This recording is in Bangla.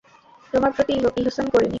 তোমার প্রতি ইহসান করিনি?